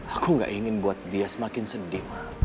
aku gak ingin buat dia semakin sedih